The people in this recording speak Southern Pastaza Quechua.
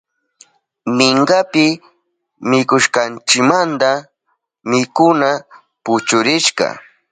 Minkapi mikushkanchimanta mikuna puchurishka.